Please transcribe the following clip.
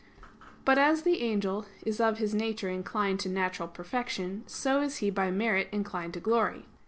But as the angel is of his nature inclined to natural perfection, so is he by merit inclined to glory.